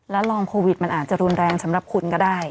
แล้วลองโควิดมันอาจจะรุนแรงสำหรับคุณก็ได้